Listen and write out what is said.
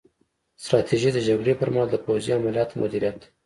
ستراتیژي د جګړې پر مهال د پوځي عملیاتو مدیریت دی